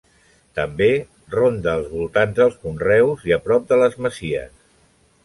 També ronda al voltant dels conreus i a prop de les masies.